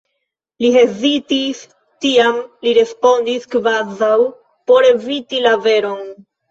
Li hezitis; tiam li respondis kvazaŭ por eviti la veron: